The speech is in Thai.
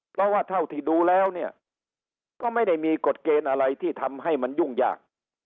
เพราะว่าเท่าที่ดูแล้วเนี่ยก็ไม่ได้มีกฎเกณฑ์อะไรที่ทำให้มันยุ่งยาก